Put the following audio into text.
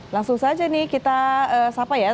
langsung saja nih kita sapa ya